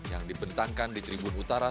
yang dibentangkan di tribun utara